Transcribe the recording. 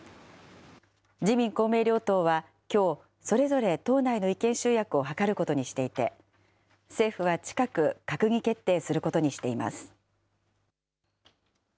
自民、公明両党はきょう、それぞれ党内の意見集約を図ることにしていて、政府は近く、閣議決定することにしています。